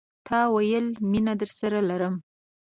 تا ویل، میینه درسره لرم